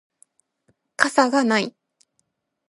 傘がない